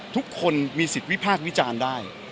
ทุกคนมีสิทธิ์วิพากษ์วิจารณ์ได้